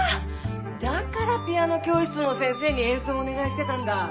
だからピアノ教室の先生に演奏お願いしてたんだ。